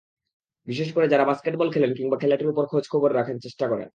বিশেষ করে যাঁরা বাস্কেটবল খেলেন, কিংবা খেলাটির একটু খোঁজখবর রাখার চেষ্টা করেন।